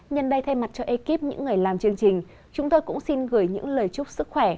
nhân đây thay mặt cho ekip những người làm chương trình chúng tôi cũng xin gửi những lời chúc sức khỏe